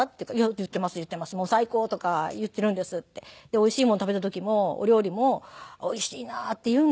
「おいしいもん食べた時もお料理も“おいしいな”って言うんです」って言って。